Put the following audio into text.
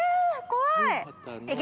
怖い。